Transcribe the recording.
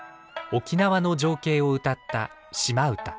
沖縄の情景を歌った「島唄」。